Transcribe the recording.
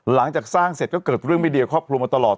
หลังจากสร้างเสร็จก็เกิดเรื่องไม่เดียวครอบครัวมาตลอด